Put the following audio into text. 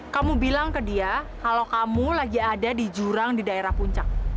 kamu bilang ke dia kalau kamu lagi ada di jurang di daerah puncak